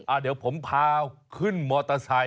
อ่ะเดี๋ยวผมพาขึ้นมอเตอร์ไซค